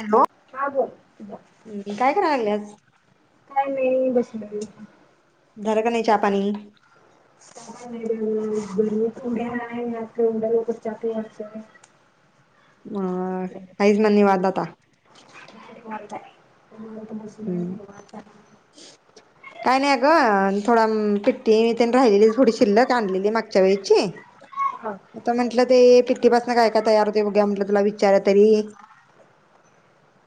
Hello हा बोल. हम्म काय कराय लागल्यास काय नाही बसलोय. झालं का नाही चहापाणी? आता काय नाही बाई म्हणावं गरमी खूप आहे. आता एवढ्या लवकर चहा पिऊ वाटतय होय. मग हायस मग निवांत आता? निवांत आहेनिवांत बसलोय हम्म निवांत आहे काय नाही अ गं. थोडा पिट्टी तेन राहिलेली थोडी शिल्लक आणलेली माग घ्यावेळची हाय. आता म्हटलं ते पिठ्ठीपासनं काय काय तयार होतंय बघूया म्हटलं, तुला विचारुया तरी.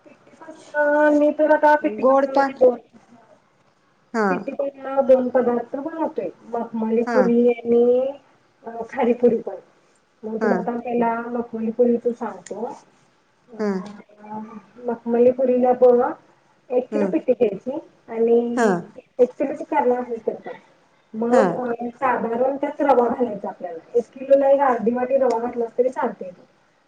पिठ्ठीपासनं मी तुला का गोड पिठ्ठीपासनं पण म्हणजे बोल? हा पिठ्ठीपासण दोन पदार्थ बनवतोय. हा मखमलीपुरी, आणि खारीपुरी पण मग हा तुला आता हेला मखमलपूरी च सांगतो. हा मखमलीपुरीला बघ. एक हा किलो पिट्टी घ्यायची हा आणि एक किलोची करणार आहेस का आता मग हा मग सार आधारण [unintelligible] त्यात रवा मग मग त्यात रवा घालायचा आपल्याला. एक किलोला एक अर्धी वाटी रवा घातलास तरी चालते.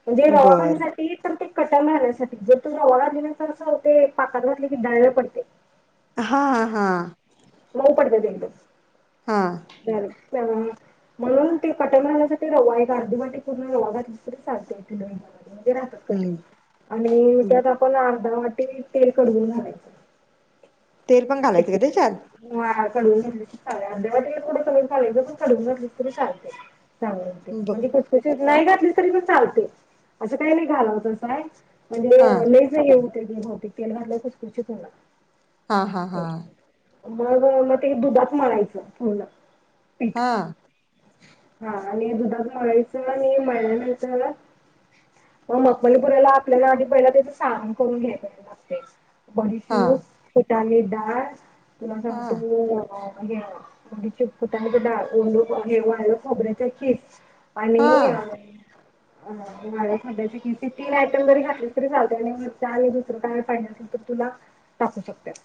म्हणजे रवा बर खान्यासाठी तर ते कठण राहण्यासाठी. तु रवा घातली नाहीस तर कस होतय. पाकात घातलीस तर डायरेक्ट पडते. हा हा. मऊ पडते ते एकदम. हा. [unintelligible] म्हणून ते कटण राहण्यासाठी रवा एक अर्धी वाटी पूर्ण रवा घातली तरी चालते. म्हणजे राहतात हम्म कठीण आणि त्यात आपण अर्धा वाटी तेल कडउन घालायच. तेल पण घालायचं का तेच्यात? होय कडवून घातलीस चालते. अर्ध्या वाटीला थोड कमीच घालायचं. पण कडवून घातलीस तरी चालते चांगल होते. ब म्हणजे खुसखूशीत. नाही घातलीस तरी बी चालतंय पण असं काही नाही घालवसचकाय. म्हणजे हा लयच हे होतं बहुतेक तेल घातल्यावर खुसखुशीत होणार. हा हा हा. ते. मग मग ते दुधात मळायचं पूर्ण. पी हा. हा आणि दुधात मळायचं आणि मळल्यानंतर म- मगमणीपुराला आपल्याला, आधी पहिला त्याच सारण करून घ्यायच, लागते. हा बडीशोप, हेटली डाळ, तुला सांगतो हा आंबे हळद, [unintelligible] हे व्हायला खोबऱ्याचा किस अणि हा अ वाळ्या सोड्याची, ती कीती वाटण जरी घातलीस, तरी चालतंय आणि आ आहे दुसरं काय, पाहिजे. नंतर तुला, टाकू शकत्यात.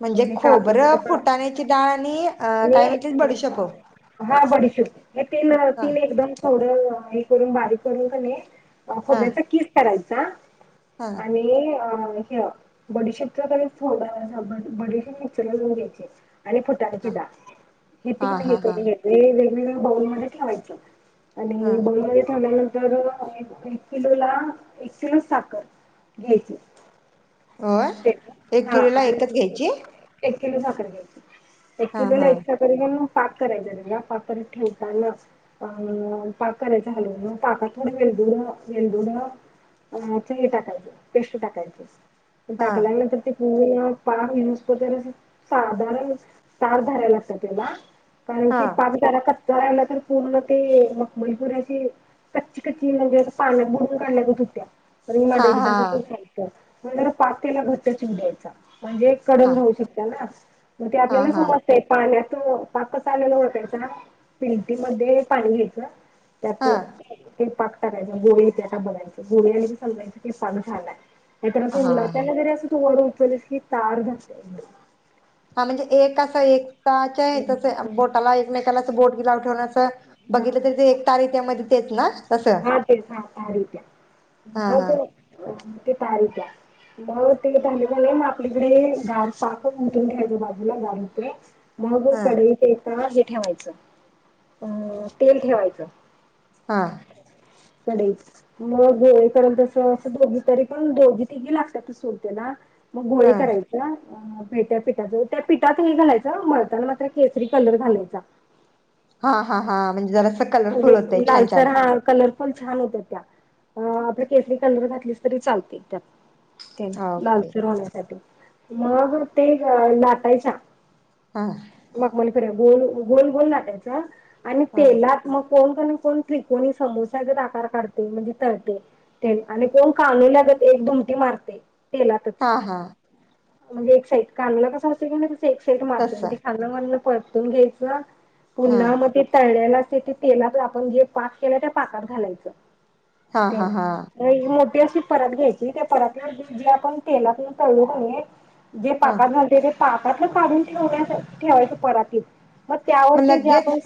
म्हणजे खोबरं, फुटाण्याची डाळ आणि काय म्हटलीस? बडीशेपं हां बडीशेप, हे हा तीन-तीन एकदम, थोडं हे करून, बारीक करून, क नइ अ हा खोबऱ्याचा किस करायचा, हा आणि ह्य बडीशेप [unintelligible] [unintelligible] बडी नीचरऊन घ्यायची. आणि फुटाण्याची हा डाळ, हे हा तीन हे हा हा करून घेतले, वेग-वेगळ्या बाऊलमध्ये ठेवायचं हा आणि बाउल मध्ये ठेवल्या नं तर एक किलो ला, एक किलोचं साखर, घ्यायच. होय [unintelligible] एक हां, किलोला एकच घ्यायची एक किलो साखर घ्यायच. एक हा किलोला, हा एक्स्ट्रा कर [unintelligible] मग पाक करायचा, त्याचा पाक करत, ठेवताना अ पाक करायच हलवून, पाकात थोडं वेलदोड-वेलदोड याचं ह्य टाकायच, पेस्ट टाकायच, हा टाकल्यानंतर, ते म पाक् [unintelligible] तर साधारण, तार धरायला लागत, त्याला. कारण हा की, पाक जरा कच्चा राहिला, तर पूर्ण ते मकबलपुराची कच्ची-कच्ची, म्हणजे पाण्यात बुडवून काढल्या, ग त होत्या. त म हा मला हा एकदा, [unintelligible] ज पातेला गठ्ठ [unintelligible] द्यायचा, म्हणजे कडून हा घेऊ शकत ना, मग ते हा आपल्याला हा समजतय, पाण्यातून पाक आलेल ओ त्याचा प्लेटी मध्ये, पाणी घ्यायचं, त्यात हा ते पाक टाकायचा, गोळी येत्याय का बघायचं, गोळी आली की समजायचं, की पाक झालाय. नाय तर असं हा [unintelligible] जरी तु उचल की, तार धरतंय हां, म्हणजे एक असा, एकताच्या [unintelligible] त हम्म. बोटाला एकमेकालाच बोट गि लाव ठेवण्याचं बघितलं, तरी ते एक तार येत्या, मध्ये तेच ना? तसं हां, ते हां तार येत्या, हा हा मग ते तार येत्या. म ते, ले [unintelligible] मग आपलीकडे गार पाक उतरून घ्यायच, बाजूला गार ते. मग हा कडईत एका हे ठेवायचं, अ तेल ठेवायचं. हा. कढईत. मग येई पर्यंत अस, दोघी तरी पण, दोघी-तिघी लागतात, तू सोडते ना मग, गोळे हा कराय [unintelligible] भेट्या पिठाच, त्या पीठात हे घालायचं, मळताना मात्र, केसरी कलर घालायचा. हा-हा-हा, म्हणजे जरास म्हणजे, लालसर हां कलर पण छान होत त्या, अं आपलं केसरी कलर घातलीस, तरी चालते, त्यात. ते, ओके लालसर होऊन येत्या ते, मग ते लाटायच्या हां. मखमली कडे, गोल-गोल-गोल लाटायचा आणि हा तेलात मग कोणक् कोण, त्रिकोणी समोसा गत आकार काढते, म्हणजे तळते. आणि कोण, कावनई लगत, एक दुमटी मारते. तेलातच, हा हा म्हणजे एक साईड, कानुला कसा होतोय गं, [unintelligible] एक साईड मारत तसा [unintelligible] लं म्हणलं परतून घ्यायचं, हा पुन्हा मग ते तळलेल, ते ते तेला जे आपण जे पाक केल त्या पाकात घालायच हां हां हां एक मोठी अशी परात घ्यायची त्या परातीवर जे आपण तेलातुन तळु कानी जे हा पाकात ते पाकात काढुन ठेवण्या ठेवायच परातीत मग त्यावर ते जे आपण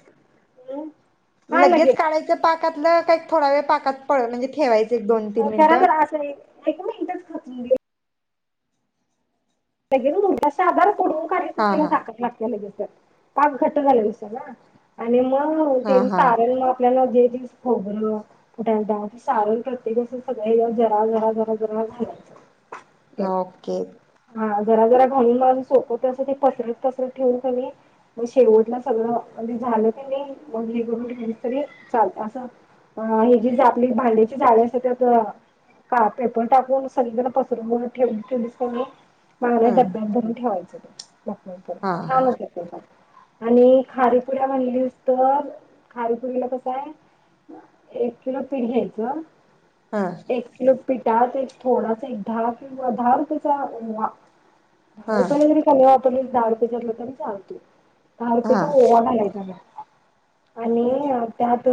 लगेच काढायच पाकातल का थोडा वेळ पाकात पड म्हणजे ठेवायच जरा जर असा ही एक मिनटच खचुन [unintelligible] लगेचच साधार करडून कारायचं हा त्याला हा ताकात लागते लगेचच [unintelligible] पाक घट झाला असल आणि मग हा ते हा सारण मग आपल्याला जे जे खोबर कुठ सारण प्रत्येक अस सगळ जरा- जरा- जरा -जरा घ्यायच ओके हां जरा जरा घालुन मग मी सोप तसं ते पसरत पसरत ठेवुन कनी मग शेवटला सगळ म्हणजे झाल की नाही मग हे करून तरी चालत अस अं ही जी आपली भांड्याची जाळी असते त्यात हां पेपर टाकून सगळीकडे पसरून ठेवलीस का नाही पांढऱ्या ह डब्यात भरून ठेवायच प्रॉपर हा छान हा होत आणि खारीेपुऱ्या म्हणलीस तर खारीपुरीला कस आहे एक किलो पीठ घ्यायच हां एक किलो पिठात एक थोडासा एक दहा किलो दहा रुपयेचा ह दहा रुपया जरी क आपण [unintelligible] दहा रुपये घेतलेत तरी चालत. दहा हा रुपयाचा ओवा घालायचा त्यात आणि त्यात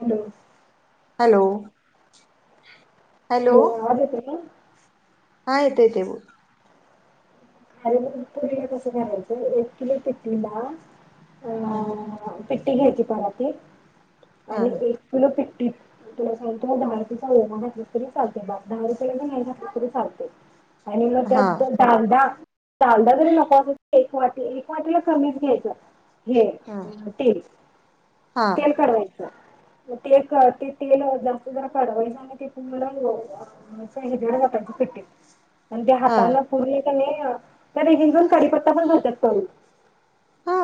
हॅलो हॅलो हॅलो आवाज येतोय का हां येते येते बोल खारी पुरीला कस करायच एक किलो पिठीला हं पिठी घ्यायची परातीत आणि हा एक किलो पिठी तुला सांगतो दहा रुपयाेचा ओवा घातला तरी चालते दहा रुपयाचा नाही घातला तरी चालते आणि मग त्यात कांदा कांदा जरी नको एक वाटी एक वाटीला कमीच घ्यायच हे हा तेल हा तेल कडवायच मग ते ते तेल जास्त जरा कढवायच आणि ते तुम्हाला- [unintelligible] मग सगळी धार वतायची पिठीत आणि ते हा हातान पुर्ण कणी एक एक जण कडीपत्ता पण घालतात तळुन हा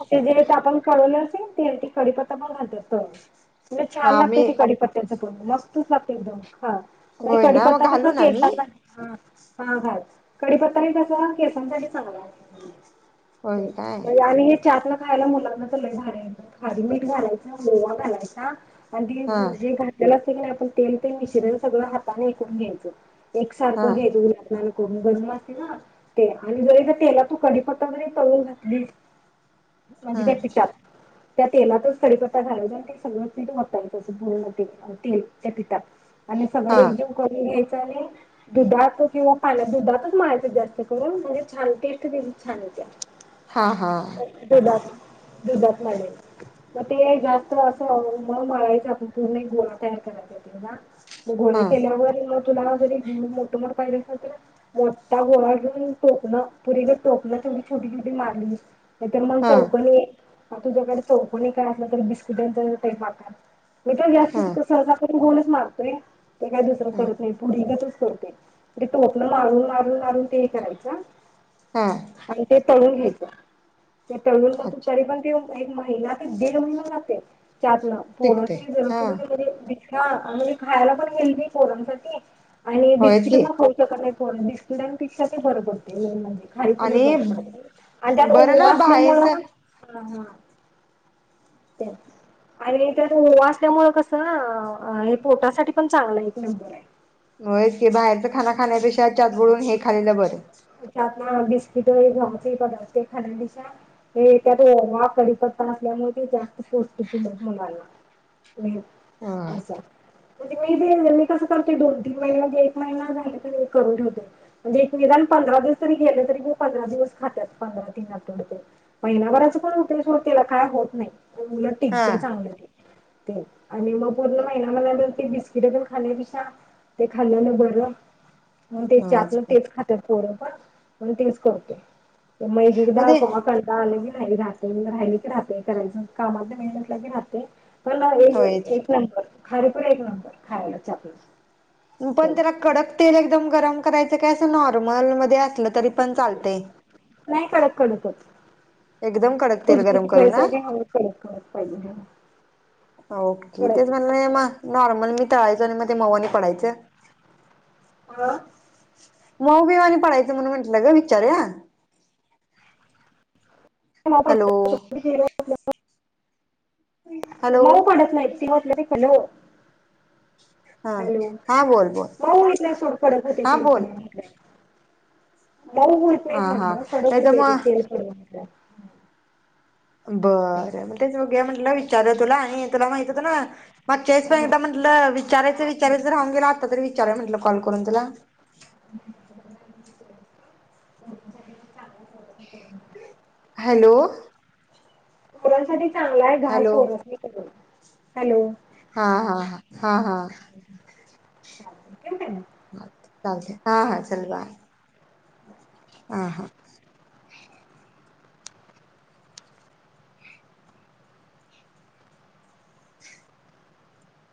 आता एक आपण जे कढवलेल तेल असते त्याच्यात कढीपत्ता पण घालतात तळून लय मग छान आम्ही लागते कढीपत्त्याचे पण ते मस्त लागते एकदम होय ना मग कढीपत्ता कस घालू ना मी केसाला हां हां घाल कडीपत्ता हे कस केसांसाठी चांगला होय काय आहे आम्ही ही चारला खायला मुलांना तर लय घालायच आधी मीठ घालायच ओवा घालायचा आणि ते हा जे. - त्याला की नाही आपण तेल ते मिश्रण सगळ हाताने हे करून घ्यायच एक सारख हा घ्यायच [unintelligible] पुर्ण गरमा असते ना तेल आणि जर तेलातुन कडीपत्ता जरी तो तळून घातलीस हा म्हणजे वपिक [unintelligible] त्या तेलातच कढीपत्ता घालायचा आणि ते सगळं पीठ ओतायच असे पुर्णपणे तेल त्या पिठात आणि हा सगळे एकजीव करून घ्यायचं आणि दुधात किंवा पाण्यात दुधातच मरायचं जास्तीत जास्त उकळून म्हणजे छान टेस्ट त्याची छान येत्या. हा हा दुधात दुधात मळायचं मग ते जास्त असं म मळायचं आपन पूर्ण एक गोळा तयार करायचा त्याचा मग गोळे हा केल्यावर मग तुला जरी मोठमठ पाहिजले असल तरी मोठा गोळा घेऊन टोकणं पुरीगत टोकणं छोटी छोटी मारली नाही तर मग चौकनी तुझ्याकडे चौकणी काय असलं तर बिस्कुटाचा साठा मी तर असच हा करत सहज करून गोलच मारतोय, ते काय दुसरां हा करत नाही. पुरीगसच करते ते टोपण मारून मारून मारून ते करायचं हा आणि ते तळून घ्यायचं आणि तळून मग अच्छा तरी पण एक महिना ते दीड महिना जाते चहातन पोरं टिकते तर हा जरासुद्धा हा म्हणजे खायला पण हेल्दी पोरांसाठी आणि होयच बिस्किट की पण खाऊ बिस्किटांपेक्षा पण ते बर पडते मेन म्हणजे- खारीपुरी आणि बर पडत आणि त्यात बरं ना ओवा असल्यामुळे बाहेरच हा हा तेच आणि त्यात ओवा असल्यामुळे कसं ना हे पोटासाठी पण एक नंबर आहे. होयाच की बाहेरचं खाना खाण्यापेक्षा चहात बुडवून हेच खाल्लेले बरं चहातून बिस्किटे हे ते खाण्यापेक्षा ते त्यात ओवा कडिपता असल्यामुळे ते जास्त पोष्टीक होत मुलांना हे हा असा म्हणजे मी मी कसं करते, दोन तीन महिने एक महिना झाले तर करून ठेवते. म्हणजे एक निदान पंधरा दिवस जरी गेले तरी मी पंधरा दिवस खातात पंधरा तीन आठवड्या तरी महिनाभराच पण होतय सोड त्याला काय होत नाही. हा टिकते चांगलं ते आणि मग पूर्ण महिना मला बिस्किट खाल्ल्यापेक्षा ते खाल्लेले बरं मग ति होयच चहातनं की खातात पोरं मग तेच करतो मैद्याची म्हणजे आले की नाही राहते, राहिले की राहते करायचं कामन वेळ नसला की राहते मला हे एक होयच एक नंबर खारी पण एक नंबर खायला चहा बरोबर पण त्याला कडक तेल एकदम गरम करायचं काय असं नॉर्मल मध्ये असलं तरी पण चालतय नाही कडक कडक होत. एकदम कडक तेल गरम खुसखुशीत करू ना येण्यासाठी कडक करायला पाहिजे ओके तेच कडकच म्हण मग नॉर्मल मी तळायचो आणि मग ते मऊ आनी पडायचं हा मऊबिव आणि पडायचं म्हणून म्हटलं ग विचारुया नाही हॅलो मऊ हॅलो मऊ पडत नाही सिवतलं ते हॅलो हा हॅलो- हा बोल बोल मऊ होत नाही सोड कडक होते हा तेल बोल कडक मऊ होत हा नाही हा म्हटलं कडक नाही तर होते मग तेल सोड बरं मग तेच बघूया म्हटलं विचारलं तुला आणि तुला माहित होतना मागचा वेळेस पण एकदा म्हण म्हटलं विचारायचं विचारायचं राहून गेल आता तरी विचाराव म्हंटलं कॉल करून तुला [inaudible] हॅलो! पोरांसाठी चांगला आहे घाल हॅलो पोर, हॅलो! हा हा हा हा हा! ठेऊ काय म. चालतंय हा हा चल बाय. आ हा!